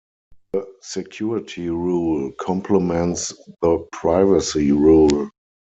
The Security Rule complements the Privacy Rule.